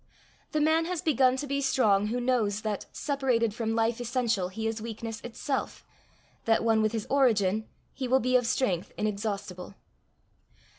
The man has begun to be strong who knows that, separated from life essential, he is weakness itself, that, one with his origin, he will be of strength inexhaustible.